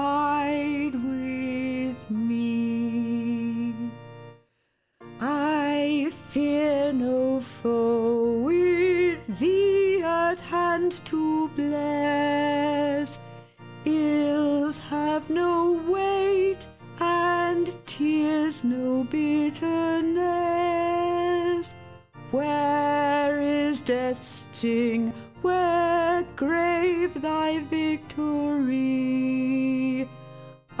9 Abide with Me I fear no foe, with thee at hand to bless: Ills have no weight, and tears no bitterness. Where is death's sting? Where, grave, thy victory?